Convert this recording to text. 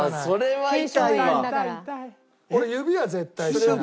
俺指は絶対しない。